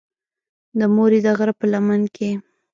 د مورې د غرۀ پۀ لمن کښې